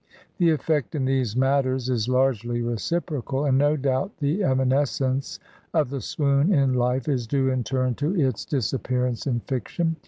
The effect in these matters is largely reciprocal, and no doubt the evanescence of the swoon in life is due in turn to its dis appearance in fiction.